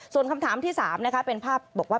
ส่วนคำถามที่๓นะคะเป็นภาพบอกว่า